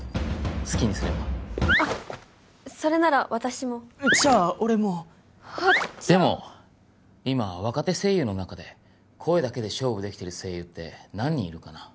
好きにすればあっそれなら私もじゃあ俺もあっじゃあでも今若手声優の中で声だけで勝負できてる声優って何人いるかな？